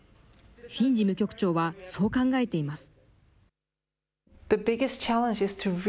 フィン事務局長はそう考えています。